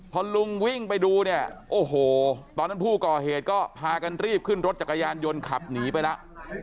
พอลุงวิ่งไปดูเนี่ยโอ้โหตอนนั้นผู้ก่อเหตุก็พากันรีบขึ้นรถจักรยานยนต์ขับหนีไปแล้ว